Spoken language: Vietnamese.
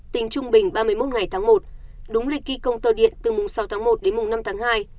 tính trung bình ba mươi một ngày tháng một đúng lịch thi công tơ điện từ mùng sáu tháng một đến mùng năm tháng hai